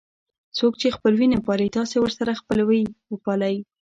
څوک چې خپلوي نه پالي تاسې ورسره خپلوي وپالئ.